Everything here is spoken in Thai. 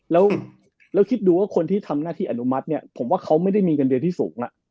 แล้วคิดดูว่าคนที่ทำหน้าที่อนุมัติเนี่ยผมว่าเขาไม่ได้มีเงินเดือนที่สูงแล้ว